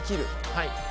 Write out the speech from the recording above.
はい。